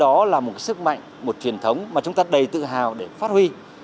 đó là một sức mạnh một truyền thống mà chúng ta đầy tự hào để phát huy